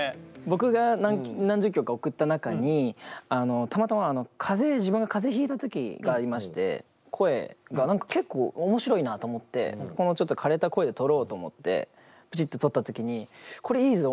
僕が何十曲か送った中にたまたま自分が風邪ひいた時がありまして声が結構面白いなと思ってこのちょっとかれた声で録ろうと思ってバチっと録った時にこれいいぞ！